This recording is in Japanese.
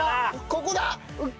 ここだ！